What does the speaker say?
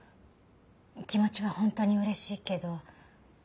気持ちはホントにうれしいけど。